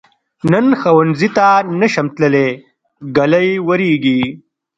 نن ښؤونځي ته نشم تللی، ږلۍ وریږي.